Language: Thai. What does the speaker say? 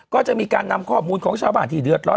ก็จะมีการนำข้อมูลของชาวบ้านที่เดือดร้อน